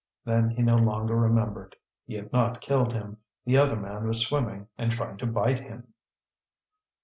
Then he no longer remembered; he had not killed him; the other man was swimming and trying to bite him.